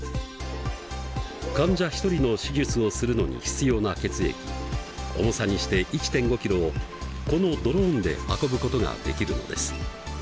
患者一人の手術をするのに必要な血液重さにして１．５キロをこのドローンで運ぶことができるのです。